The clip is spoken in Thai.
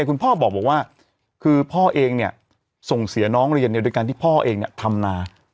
คุณพ่อบอกว่าคือพ่อเองเนี่ยส่งเสียน้องเรียนเนี่ยโดยการที่พ่อเองเนี่ยทำนา